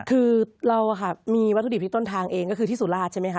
คือเรามีวัตถุดิบที่ต้นทางเองก็คือที่สุราชใช่ไหมค